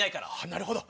なるほど！